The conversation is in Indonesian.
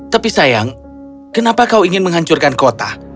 tapi sayang kenapa kau ingin menghancurkan kota